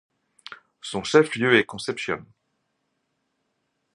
Son chef-lieu est Concepción.